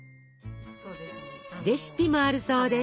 レシピもあるそうです。